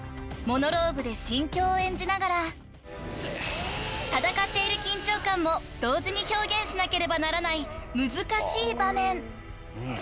［モノローグで心境を演じながら戦っている緊張感も同時に表現しなければならない難しい場面］